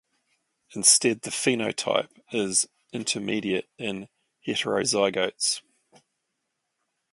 Instead the phenotype is intermediate in heterozygotes.